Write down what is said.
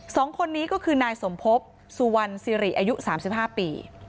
สองคนนี้ก็คือนายสมภพสุวรรณสิริอายุ๓๕ปี